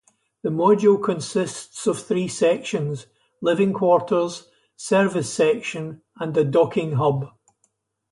The module consists of three sections, living quarters, service section and a docking hub.